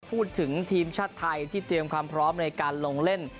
ทีมชาติไทยที่เตรียมความพร้อมในการลงเล่น